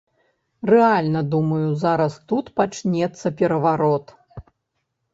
Рэальна, думаю, зараз тут пачнецца пераварот!